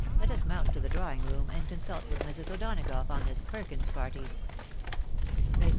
Let us mount to the drawing room, and consult with Mis. O'Donagough on this Perkins party." ilr.